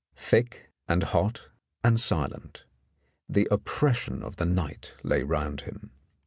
Thick and hot and silent the oppression of the night lay round him.